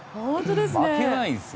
負けないんですよ。